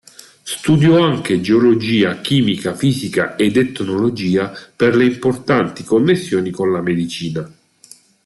Studiò anche geologia, chimica fisica ed etnologia per le importanti connessioni con la medicina.